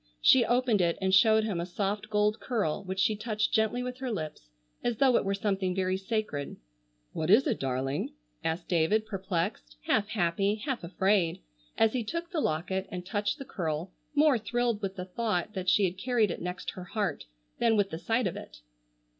She opened it and showed him a soft gold curl which she touched gently with her lips, as though it were something very sacred. "What is it, darling?" asked David perplexed, half happy, half afraid as he took the locket and touched the curl more thrilled with the thought that she had carried it next her heart than with the sight of it.